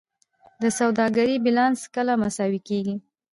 د سوداګرۍ بیلانس کله مساوي کیږي؟